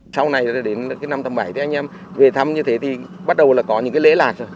sau này đến năm một nghìn chín trăm tám mươi bảy thì anh em về thăm như thế thì bắt đầu là có những cái lễ lạc rồi